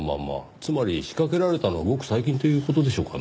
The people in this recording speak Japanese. つまり仕掛けられたのはごく最近という事でしょうかね？